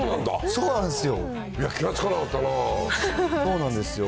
そうなんですよ。